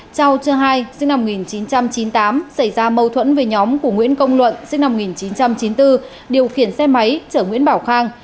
châu chơ hai sinh năm một nghìn chín trăm chín mươi tám xảy ra mâu thuẫn với nhóm của nguyễn công luận sinh năm một nghìn chín trăm chín mươi bốn điều khiển xe máy chở nguyễn bảo khang